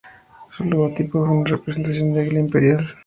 Su logotipo fue una representación del águila imperial.